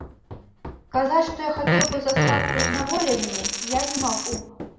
Сказаць, што я хацеў бы застацца ў зняволенні, я не магу.